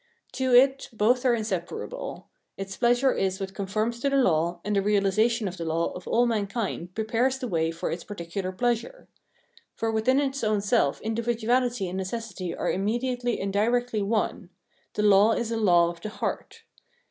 To it both are in separable ; its pleasure is what conforms to the law and the realisation of the law of all mankind prepares the The Law of the Heart 359 way for its particular pleasure. For within its own self individuality and necessity are immediately and directly one ; the law is a law of the heart.